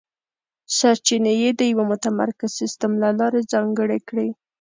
سرچینې یې د یوه متمرکز سیستم له لارې ځانګړې کړې.